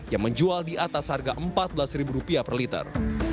yang menjual di atas harga rp empat belas per liter